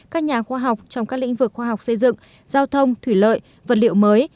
các nhà khoa học trong các lĩnh vực khoa học xây dựng giao thông thủy lợi vật liệu mới